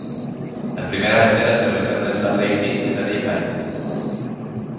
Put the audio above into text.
Las primeras escenas se realizaron en Salt Lake City en el East High School.